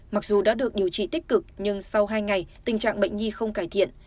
mặc dù đã được điều trị tích cực nhưng sau hai ngày tình trạng bệnh nhi không cải thiện